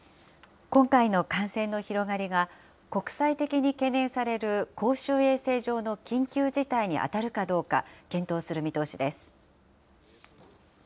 今回の感染の広がりが、国際的に懸念される公衆衛生上の緊急事態に当たるかどうか検討する見通しです。